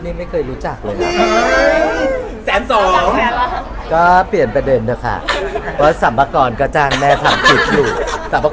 ฟ้องคือเคยก็ดูว่าขายลงจากภาพด้ายแล้วเก็บรัสสงคราม